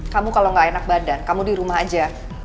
kamu kalo gak enak badan kamu di rumah aja